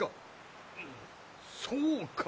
そうか！